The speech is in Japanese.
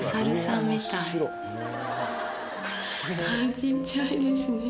ちっちゃいですね。